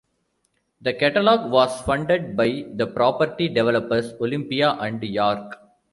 The catalogue was funded by the property developers Olympia and York.